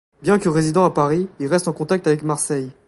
Bien que résidant à Paris, il reste en contact avec Marseille.